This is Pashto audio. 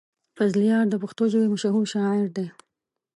فضلیار د پښتو ژبې مشهور شاعر دی.